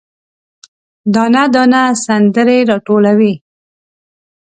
دانه، دانه سندرې، راټولوي